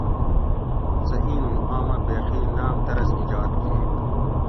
سہ اینوں آمہ بیخی ناۤم طرز ایجاد کیت